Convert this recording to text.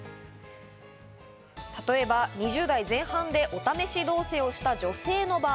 例えば２０代前半でお試し同棲をした女性の場合。